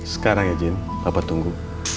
sekarang ya jin papa tunggu